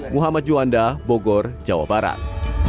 muhammad juanda bogor jawa barat